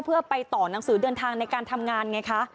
เพื่อไปต่อหนังสือเดินทางในการทำงานไงคะ